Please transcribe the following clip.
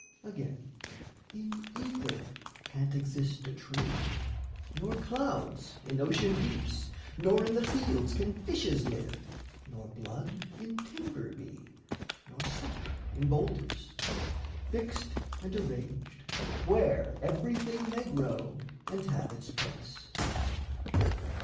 Again, in ether can't exist a tree, Nor clouds in ocean deeps, nor in the fields Can fishes live, nor blood in timber be, Nor sap in boulders: fixed and arranged Where everything may grow and have its place.